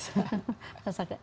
sudah jadi hewan kesayangan